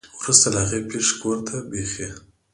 ورورسته له هغې پېښې کور ته بېخي